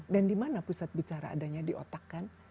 dan di mana pusat bicara adanya diotakkan